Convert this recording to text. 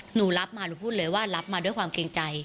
หนูรับมาหนูพูดเลยว่ารับมาด้วยความเกรงใจ